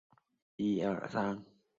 找份安稳的工作讨生活